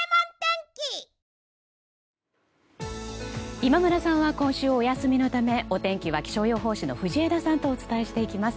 今村さんは今週お休みのためお天気は気象予報士の藤枝さんとお伝えしていきます。